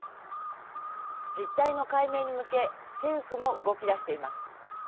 実態の解明に向け政府も動き出しています。